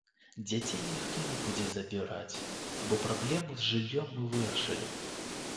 Дзяцей ніхто не будзе забіраць, бо праблему з жыллём мы вырашылі.